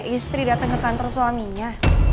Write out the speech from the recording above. istri datang ke kantor suaminya